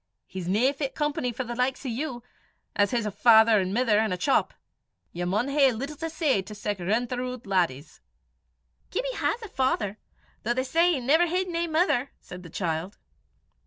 "He's no fit company for the likes o' you, 'at his a father an' mither, an' a chop (shop). Ye maun hae little to say to sic rintheroot laddies." "Gibbie has a father, though they say he never hid nae mither," said the child.